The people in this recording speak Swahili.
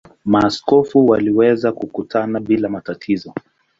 Maaskofu waliweza kukutana bila matatizo.